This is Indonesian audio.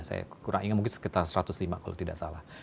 saya kurang ingat mungkin sekitar satu ratus lima kalau tidak salah